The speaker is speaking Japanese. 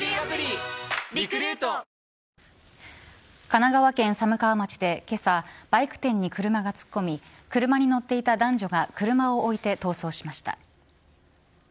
神奈川県寒川町でけさバイク店に車が突っ込み車に乗っていた男女が車を置いて逃走しました。